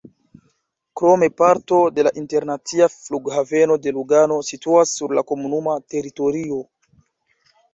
Krome parto de la internacia Flughaveno de Lugano situas sur la komunuma teritorio.